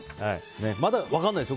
まだ分からないですよ。